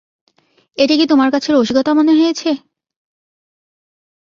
এটা কি তোমার কাছে রসিকতা মনে হয়েছে?